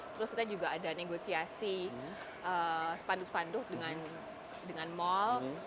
terus kita juga ada negosiasi sepanduk sepanduk dengan mall